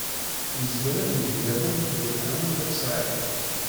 Yezmer ad yeg laman deg Ḥemmu n At Sɛid.